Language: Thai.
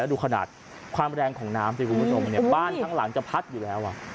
แล้วดูขนาดความแรงของน้ำที่คุณผู้ชมเนี่ยบ้านทั้งหลังจะพัดอยู่แล้วอ่ะ